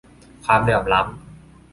ความเหลื่อมล้ำ